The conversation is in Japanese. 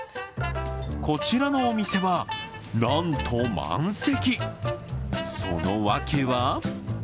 こちらのお店は、なんと満席。